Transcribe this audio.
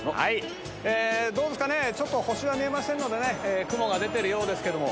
どうですかね星が見えませんので雲が出てるようですけども。